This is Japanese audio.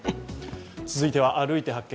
続いては「歩いて発見！